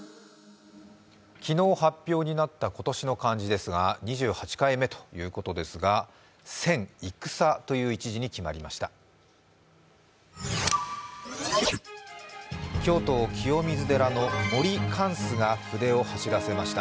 昨日発表になった今年の漢字ですが、２８回目ということですが、「戦」という文字に決まりました。